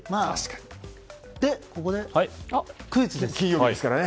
で、ここでクイズです。